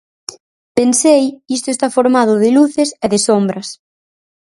Pensei isto está formado de luces e de sombras.